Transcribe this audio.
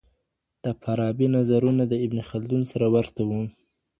د فارابي نظرونه د ابن خلدون سره ورته وو.